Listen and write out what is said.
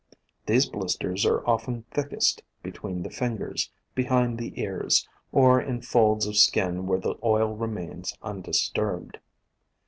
These blisters are often thickest be tween the fingers, behind the ears, or in folds of skin where the oil remains undisturbed.